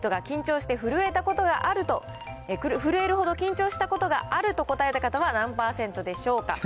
トップアスリートが震えるほど緊張したことがあると答えた方は何％でしょうか。